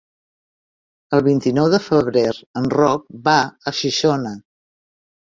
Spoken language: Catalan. El vint-i-nou de febrer en Roc va a Xixona.